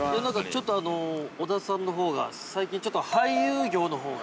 ◆ちょっと小田さんのほうが最近、ちょっと俳優業のほうが。